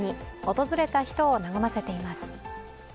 訪れた人を和ませています。